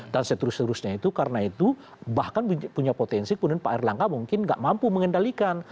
dan seterusnya itu karena itu bahkan punya potensi kemudian pak erlangga mungkin nggak mampu mengendalikan